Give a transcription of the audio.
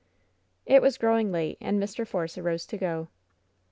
It was growing late^ and Mr. Force arose to go.